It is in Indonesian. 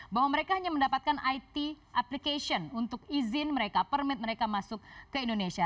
bahwa mereka hanya mendapatkan it application untuk izin mereka permit mereka masuk ke indonesia